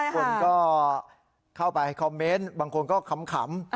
คนก็เข้าไปคอมเมนต์บางคนก็ขำ